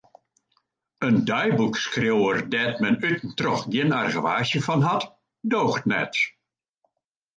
In deiboekskriuwer dêr't men út en troch gjin argewaasje fan hat, doocht net.